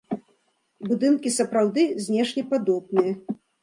Будынкі сапраўды знешне падобныя.